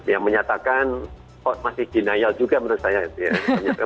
yang menyatakan masih jenayal juga menurut saya